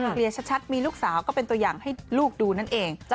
เคลียร์ชัดมีลูกสาวก็เป็นตัวอย่างให้ลูกดูนั่นเอง